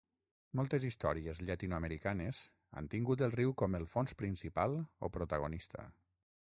Moltes històries llatinoamericanes han tingut el riu com el fons principal o protagonista.